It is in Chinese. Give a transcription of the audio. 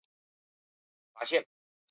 诸蒲县是越南嘉莱省下辖的一个县。